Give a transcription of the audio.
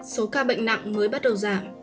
số ca bệnh nặng mới bắt đầu giảm